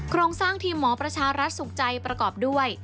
โครงสร้างทีมหมอประชารัฐสุขใจประกอบด้วย